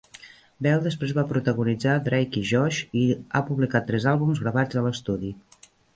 Bell després va protagonitzar "Drake i Josh" i ha publicat tres àlbums gravats a l'estudi.